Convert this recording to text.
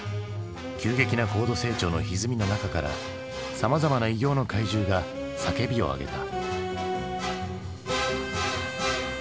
急激な高度成長のひずみの中からさまざまな異形の怪獣が叫びを上げた。